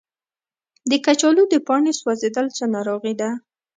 د کچالو د پاڼو سوځیدل څه ناروغي ده؟